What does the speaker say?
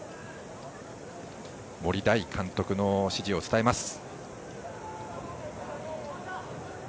森大監督の指示を伝えます。